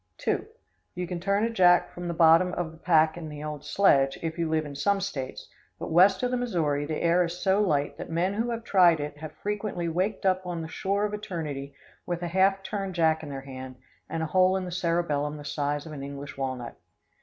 2. You can turn a jack from the bottom of the pack in the old sledge, if you live in some States, but west of the Missouri the air is so light that men who have tried it have frequently waked up on the shore of eternity with a half turned jack in their hand, and a hole in the cerebellum the size of an English walnut.